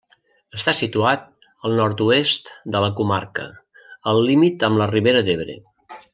Està situat al nord-oest de la comarca, al límit amb la Ribera d'Ebre.